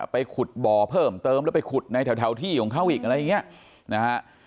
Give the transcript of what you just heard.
ไปขุดบ่อเพิ่มเติมแล้วไปขุดในแถวที่ของเขาอีกอะไรอย่างนี้นะฮะ